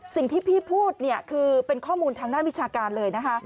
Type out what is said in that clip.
สิ่งที่พี่พูดเนี่ยคือเป็นข้อมูลทางด้านวิชาการเลยนะคะ